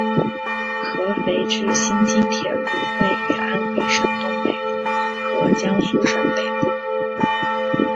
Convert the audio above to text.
合肥至新沂铁路位于安徽省东北部和江苏省北部。